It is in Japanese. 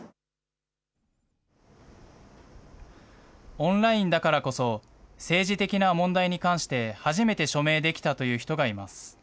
オンラインだからこそ、政治的な問題に関して、初めて署名できたという人がいます。